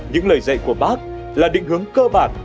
những lời dạy của bác là định hướng cơ bản